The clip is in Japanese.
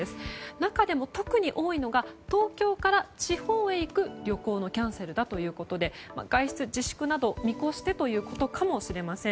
中でも、特に多いのが東京から地方に行く旅行のキャンセルだということで外出自粛など見越してということかもしれません。